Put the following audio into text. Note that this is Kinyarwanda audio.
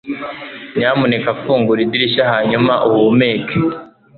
nyamuneka fungura idirishya hanyuma uhumeke